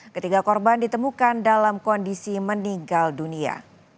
ketiga korban ditemukan dalam kondisi meninggal dunia